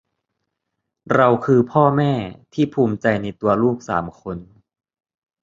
เราคือพ่อแม่ที่ภูมิใจในตัวลูกสามคน